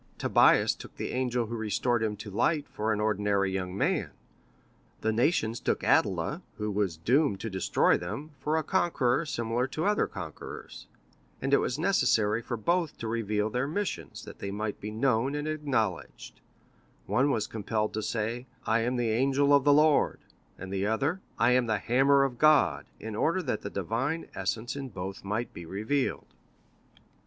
Tobias took the angel who restored him to light for an ordinary young man. The nations took Attila, who was doomed to destroy them, for a conqueror similar to other conquerors, and it was necessary for both to reveal their missions, that they might be known and acknowledged; one was compelled to say, 'I am the angel of the Lord'; and the other, 'I am the hammer of God,' in order that the divine essence in both might be revealed."